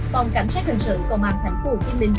bòng cảnh sát hình sự công an tp hcm